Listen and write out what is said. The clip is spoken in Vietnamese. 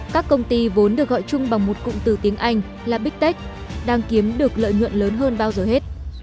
các công ty vốn được gọi chung bằng một cụm từ tiếng anh là big tech đang kiếm được lợi nhuận lớn hơn bao giờ hết